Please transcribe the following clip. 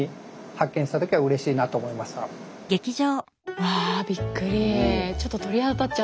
うわびっくり。